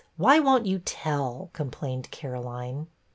Why won't you tell ?" complained Caroline.